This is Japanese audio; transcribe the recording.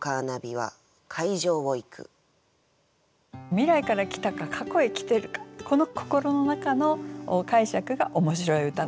未来から来たか過去へ来てるかってこの心の中の解釈が面白い歌なんですね。